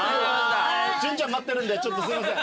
潤ちゃん待ってるんでちょっとすいません。